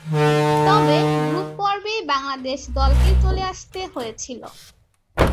তবে, গ্রুপ পর্বেই বাংলাদেশ দলকে চলে আসতে হয়েছিল।